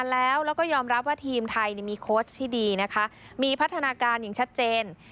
แล้วก็ยอมรับว่าทีมไทยมีโค้ชที่ดีนะคะมีพัฒนาการอย่างชัดเจน